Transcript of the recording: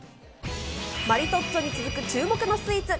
マリトッツォに続く注目のスイーツ。